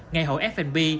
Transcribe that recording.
ngày hội fnb